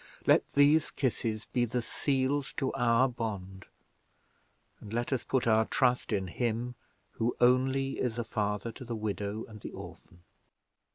Let these kisses be the seals to our bond; and let us put our trust in Him who only is a father to the widow and the orphan.